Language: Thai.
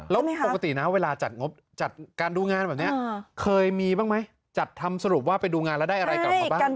แล้วปกตินะเวลาจัดงบจัดการดูงานแบบนี้เคยมีบ้างไหมจัดทำสรุปว่าไปดูงานแล้วได้อะไรกลับมาบ้าง